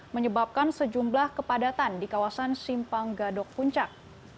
menyebabkan sejumlah kepadatan di kawasan simpang gadok puncak